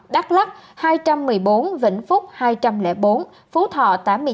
đắk lắk hai trăm một mươi bốn vĩnh phúc hai trăm linh bốn phú thọ tám mươi chín